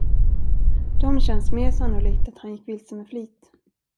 De känns mer sannolikt att han gick vilse med flit!